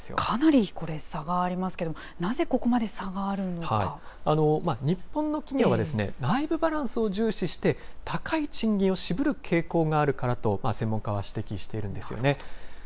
かなりこれ、差がありますけれども、なぜここまで差があるの日本の企業は、内部バランスを重視して、高い賃金を渋る傾向があるからと、専門家は指摘しているんですよね。